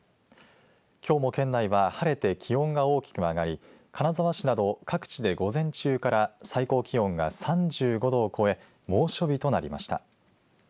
きょうも県内は晴れて気温が大きく上がり金沢市など各地で午前中から最高気温が３５度を超え猛暑日となりました。